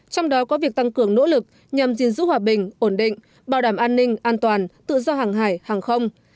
trong đó có việc tăng cường nỗ lực nhằm gìn giữ hòa bình ổn định bảo đảm an ninh an toàn tự do hàng hải hàng không